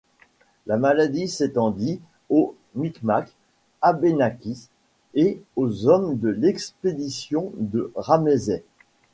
La maladie s'étendit aux Micmacs, Abénakis, et aux hommes de l'expédition de Ramezay.